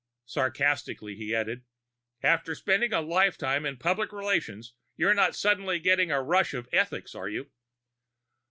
Sarcastically he added, "After spending a lifetime in public relations, you're not suddenly getting a rush of ethics, are you?"